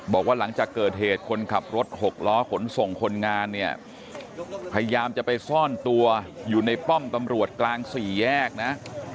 บอกว่าหลังจากเกิดเหตุคนขับรถหกล้อขนส่งคนงานเนี่ยพยายามจะไปซ่อนตัวอยู่ในป้อมตำรวจกลางสี่แยกนะ